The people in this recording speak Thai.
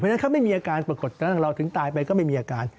เพราะฉะนั้นถ้าไม่มีอาการปรากฏถ้าเราถึงตายไปก็ไม่มีอาการ